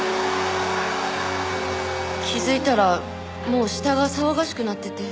気づいたらもう下が騒がしくなってて。